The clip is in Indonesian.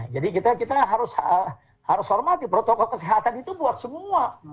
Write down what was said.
jadi kita harus hormati protokol kesehatan itu buat semua